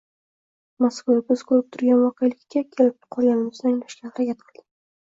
mazkur, biz ko‘rib turgan voqelikka kelib qolganimizni anglashga harakat qildik.